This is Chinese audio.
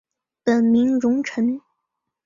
本名融成。